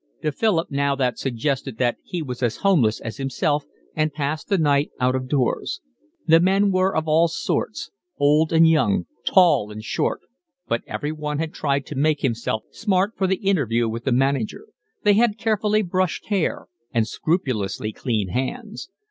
To Philip now that suggested that he was as homeless as himself and passed the night out of doors. The men were of all sorts, old and young, tall and short; but every one had tried to make himself smart for the interview with the manager: they had carefully brushed hair and scrupulously clean hands.